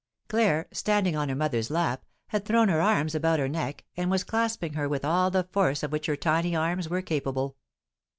Claire, standing on her mother's lap, had thrown her arms about her neck, and was clasping her with all the force of which her tiny arms were capable.